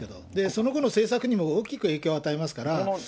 その後の政策にも大きく影響与えますから。